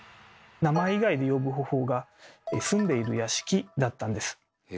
名前以外で呼ぶ方法が「住んでいる屋敷」だったんです。